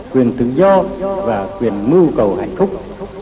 quyền tự do và quyền mưu cầu hạnh phúc